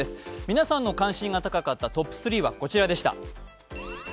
皆さんの関心が高かったトップ３はこちらでした。